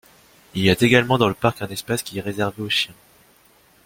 Il y a également dans le parc un espace qui est reservé aux chiens.